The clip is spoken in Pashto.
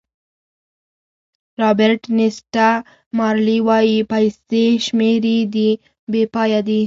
رابرټ نیسټه مارلې وایي پیسې شمېرې دي بې پایه دي.